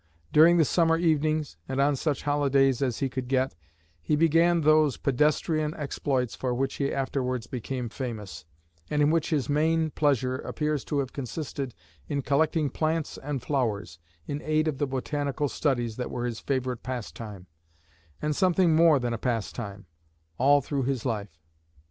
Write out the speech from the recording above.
During the summer evenings, and on such holidays as he could get, he began those pedestrian exploits for which he afterwards became famous, and in which his main pleasure appears to have consisted in collecting plants and flowers in aid of the botanical studies that were his favorite pastime, and something more than a pastime, all through his life.